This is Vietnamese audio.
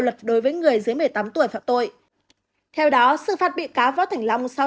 luật đối với người dưới một mươi tám tuổi phạm tội theo đó sự phạt bị cáo võ thành long sau